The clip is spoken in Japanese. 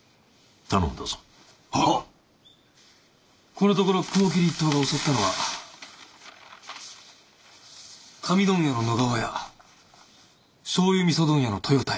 このところ雲霧一党が襲ったのは紙問屋の野川屋醤油味噌問屋の豊田屋。